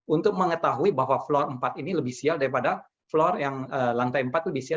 untuk mengetahui bahwa floor empat ini lebih sial daripada floor yang lantai empat lebih sial